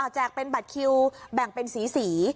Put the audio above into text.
แกกเป็นบัตรคิวแบ่งเป็นสี